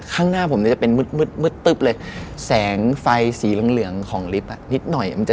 ข้างหน้าผมจะเป็นมืดตึบเลยแสงไฟสีเหลืองของลิฟต์นิดหน่อย